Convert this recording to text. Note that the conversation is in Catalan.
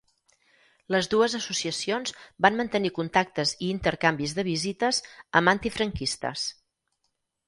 Les dues associacions van mantenir contactes i intercanvis de visites amb antifranquistes.